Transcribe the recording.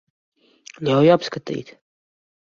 Ļauj apskatīt.